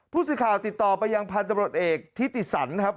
พูดสิทธิ์ข่าวติดต่อไปยังพันธุ์ตำรวจเอกที่ติดสั่นครับ